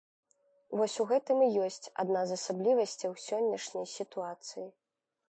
Вось у гэтым і ёсць адна з асаблівасцяў сённяшняй сітуацыі.